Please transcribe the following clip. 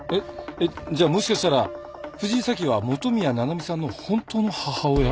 えっじゃあもしかしたら藤井早紀は元宮七海さんの本当の母親？